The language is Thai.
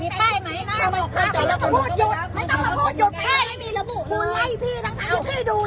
มีป้ายมั้ยไม่ต้องการพูดหยุดไม่ต้องการพูดหยุด